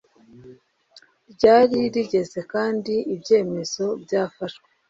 ryari rigeze kandi ibyemezo byafashwe